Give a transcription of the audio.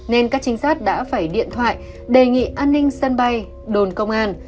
nên các trinh sát đã phải điện thoại đề nghị an ninh sân bay đồn công an